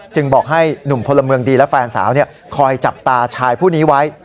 บอกให้หนุ่มพลเมืองดีและแฟนสาวคอยจับตาชายผู้นี้ไว้